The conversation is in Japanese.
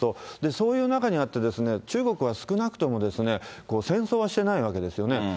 そういう中にあって、中国は少なくとも戦争はしてないわけですよね。